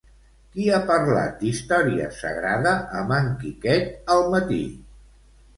Qui ha parlat d'Història Sagrada amb en Quiquet al matí?